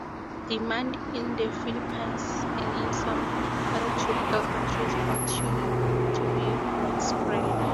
Demand in the Philippines and in some other tropical countries continue to be widespread.